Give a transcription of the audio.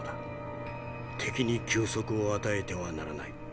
敵に休息を与えてはならない。